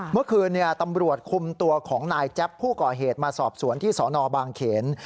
เมื่อคืนตำรวจคุมตัวของนายแจ๊บผู้ก่อเหตุมาสอบสวนที่สนบางเขน